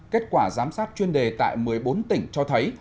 kết quả giám sát chuyên đề tại một mươi bốn tỉnh cho thấy